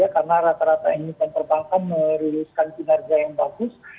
karena rata rata emiten perbankan meriliskan kinerja yang bagus